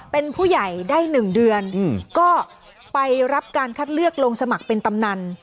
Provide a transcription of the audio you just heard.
เป็นผู้ใหญ่ได้๑เดือนก็ไปรับการคัดเลือกลงสมัครเป็นกำนัน